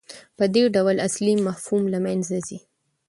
په دې ډول اصلي مفهوم له منځه ځي.